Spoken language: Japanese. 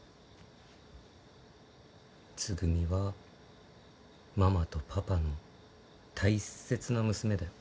つぐみはママとパパの大切な娘だよ。